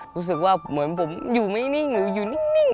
รู้สึกว่าเหมือนผมอยู่ไม่นิ่งอยู่นิ่ง